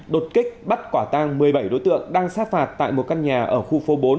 đột kích bắt quả tang một mươi bảy đối tượng đang sát phạt tại một căn nhà ở khu phố bốn